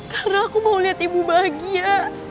karena aku mau liat ibu bahagia